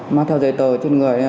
mà theo dây tờ trên người